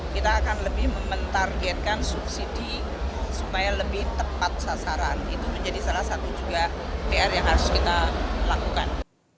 kita akan lebih mentargetkan subsidi supaya lebih tepat sasaran itu menjadi salah satu juga pr yang harus kita lakukan